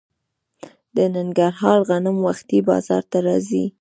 د ننګرهار غنم وختي بازار ته راځي.